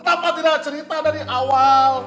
kenapa tidak cerita dari awal